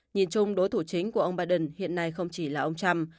nhìn chung đối thủ chính của ông biden hiện nay không chỉ là ông trump